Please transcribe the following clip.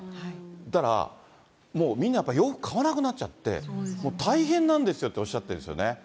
だから、もうみんな洋服買わなくなっちゃって、大変なんですよっておっしゃってるんですよね。